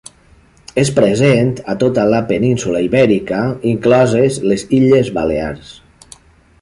És present a tota la península Ibèrica, incloses les illes Balears.